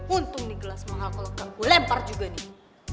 untung nih gelas mahal kalau kang kue lempar juga nih